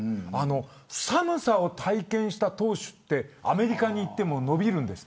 寒さを体験した投手はアメリカに行っても伸びるんです。